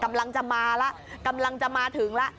กำลังจะมาล่ะถึงละ